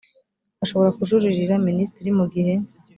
ashobora kujuririra minisitiri mu gihe